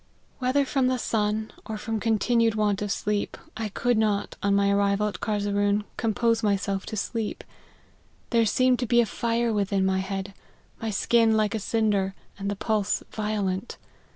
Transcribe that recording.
Whether from the sun, or from continued want of sleep, I could not, on my arrival at Carzeroon, compose myself to sleep ; there seemed to be a fire within my head, my skin like a cinder, and the pulse violent.